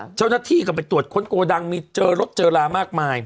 ค่ะเจ้าหน้าที่กับไปตรวจคนโกดังมีเจอรถเจอลา